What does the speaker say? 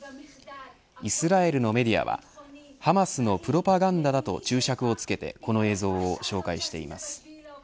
イスラエルのメディアはハマスのプロパガンダだと注釈を付けてこの映像を紹介しています。